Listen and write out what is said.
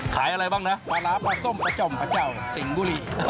ขายอะไรบ้างนะปลาล้าปลาส้มปลาจ่อมปลาเจ้าสิงห์มุรี